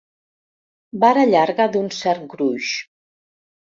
Vara llarga d'un cert gruix.